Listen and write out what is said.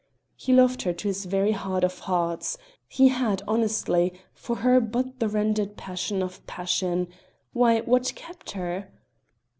He loved her to his very heart of hearts; he had, honestly, for her but the rendered passion of passion why! what kept her?